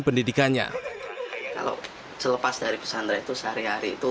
pendidikannya kalau selepas dari pesantren itu sehari hari itu